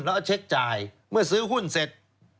แล้วก็เช็คจ่ายเมื่อซื้อหุ้นเสร็จ